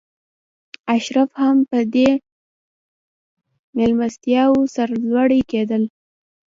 اشراف هم په دې مېلمستیاوو سرلوړي کېدل.